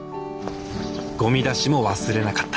ごみ出しも忘れなかった